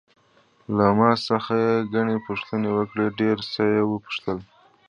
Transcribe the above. له ما څخه یې ګڼې پوښتنې وکړې، ډېر څه یې وپوښتل.